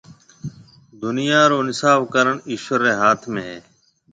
دُنيا رو اِنصاف ڪرڻ ايشوَر ريَ هاٿ ۾ هيَ۔